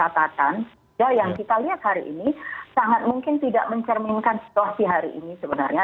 jadi akan ada peluang untuk penumpukan pencatatan yang kita lihat hari ini sangat mungkin tidak mencerminkan situasi hari ini sebenarnya